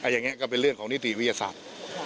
อย่างนี้ก็เป็นเรื่องของนิติวิทยาศาสตร์